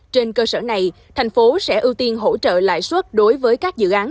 trên cơ sở này thành phố sẽ ưu tiên hỗ trợ lãi suất đối với các dự án